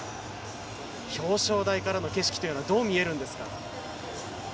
表彰台からの景色というのはどう見えるんですか？